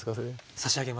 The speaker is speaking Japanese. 差し上げます。